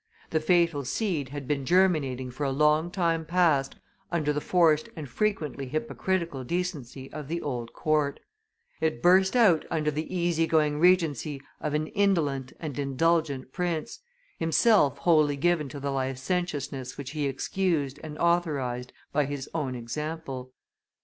the fatal seed had been germinating for a long time past under the forced and frequently hypocritical decency of the old court; it burst out under the easy going regency of an indolent and indulgent prince, himself wholly given to the licentiousness which he excused and authorized by his own example.